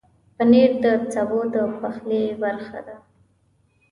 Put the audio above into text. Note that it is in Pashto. پنېر د سبو د پخلي برخه ده.